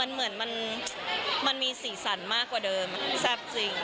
เหมือนมันมีสีสันมากกว่าเดิมแซ่บจริง